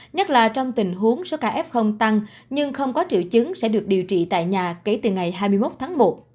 nhất là trong tình huống số ca f tăng nhưng không có triệu chứng sẽ được điều trị tại nhà kể từ ngày hai mươi một tháng một